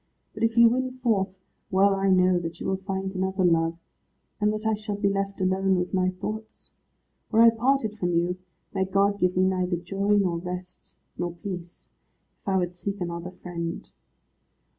But if you win forth, well I know that you will find another love, and that I shall be left alone with my thoughts. Were I parted from you, may God give me neither joy, nor rest, nor peace, if I would seek another friend.